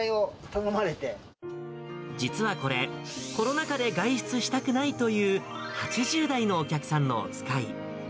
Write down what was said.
実はこれ、コロナ禍で外出したくないという８０代のお客さんのおつかい。